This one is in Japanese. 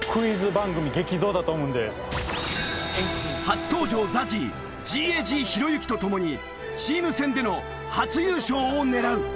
初登場ＺＡＺＹＧＡＧひろゆきと共にチーム戦での初優勝を狙う。